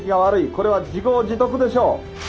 これは自業自得でしょう。